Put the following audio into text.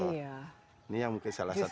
ini yang mungkin salah satu